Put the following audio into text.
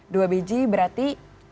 dua biji berarti dua